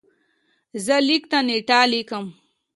زه لیک ته نېټه لیکم.